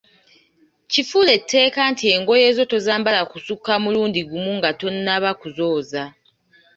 Kifuule tteeka nti engoye zo tozambala kusukka mulundi gumu nga tonnaba kuzooza.